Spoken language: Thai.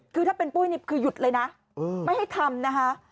คือถ้าเป็นปุ้ยนี่คือหยุดเลยนะไม่ให้ทำนะคะ